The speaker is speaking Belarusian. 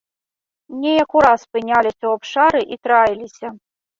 Неяк ураз спыняліся ў абшары і траіліся.